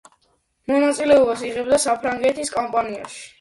მონაწილეობას იღებდა საფრანგეთის კამპანიაში.